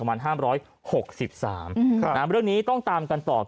เรื่องนี้ต้องตามกันต่อ